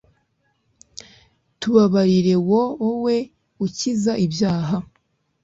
tubabarire, wo-o-we ukiza i-byaha